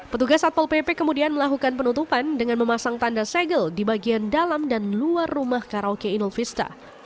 petugas satpol pp kemudian melakukan penutupan dengan memasang tanda segel di bagian dalam dan luar rumah karaoke inul vista